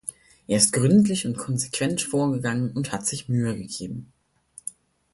Er ist gründlich und konsequent vorgegangen und hat sich Mühe gegeben.